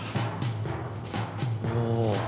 おお！